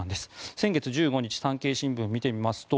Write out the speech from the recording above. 先月１５日産経新聞を見てみますと